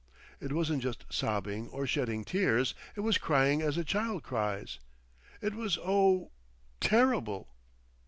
It wasn't just sobbing or shedding tears, it was crying as a child cries. It was oh! terrible!